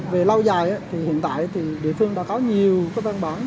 về lâu dài thì hiện tại thì địa phương đã có nhiều cái văn bản